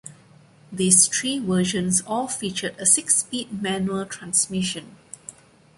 These three versions all featured a six-speed manual transmission.